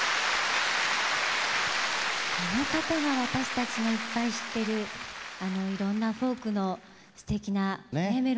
あの方が私たちのいっぱい知ってるあのいろんなフォークのすてきなメロディーを作ってらしたんですね。